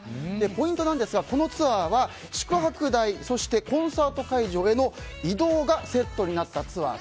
ポイントは、このツアーは宿泊代、コンサート会場への移動がセットになったツアー。